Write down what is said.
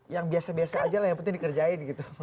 yang biasa biasa aja lah yang penting dikerjain gitu